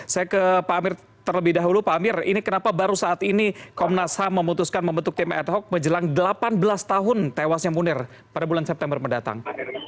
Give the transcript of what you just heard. saya ke pak amir terlebih dahulu pak amir ini kenapa baru saat ini komnas ham memutuskan membentuk tim ad hoc menjelang delapan belas tahun tewasnya munir pada bulan september mendatang